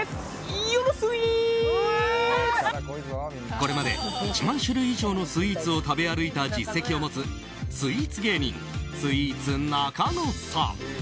これまで１万種類以上のスイーツを食べ歩いた実績を持つスイーツ芸人スイーツなかのさん。